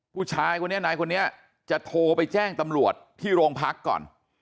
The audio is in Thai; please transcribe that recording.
ผู้ชายคนนี้นายคนนี้จะโทรไปแจ้งตำรวจที่โรงพักก่อน